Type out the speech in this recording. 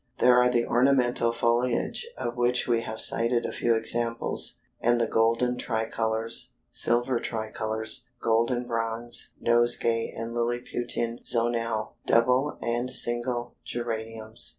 There are the Ornamental Foliage of which we have cited a few examples, and the Golden Tricolors, Silver Tricolors, Golden Bronze, Nosegay and Lilliputian Zonale; Double and single Geraniums.